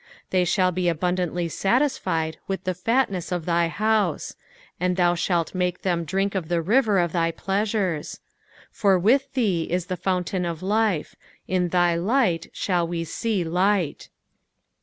8 They shall be abundantly satisfied with the fatness of thy house ; and thou shalt make them drink of the river of thy pleasures. 9 For with thee is the fountain of life : in thy light shall we see light.